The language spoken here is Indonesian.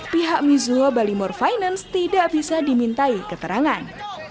pihak mizuho balimor finance tidak bisa dimintai keterangan